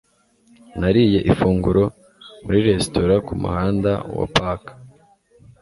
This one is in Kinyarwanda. Nariye ifunguro muri resitora kumuhanda wa Park.